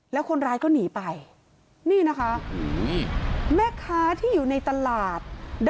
แล้วคนร้ายก็หนีไปนี่นะคะแม่ค้าที่อยู่ในตลาด